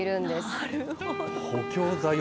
なるほど。